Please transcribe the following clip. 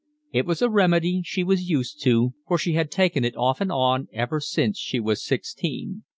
It was a remedy she was used to, for she had taken it off and on ever since she was sixteen.